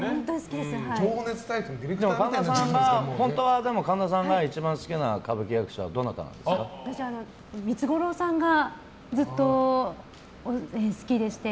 でも本当は神田さんが一番好きな歌舞伎役者は私、三津五郎さんがずっと好きでして。